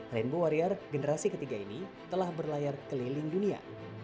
rainbow warrior generasi ketiga ini telah berlayar keliling dunia